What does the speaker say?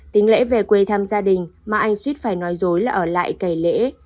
tính lễ về quê thăm gia đình mà anh suýt phải nói dối là ở lại cầy lễ